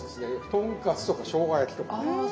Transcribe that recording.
とんかつとかしょうが焼きとか。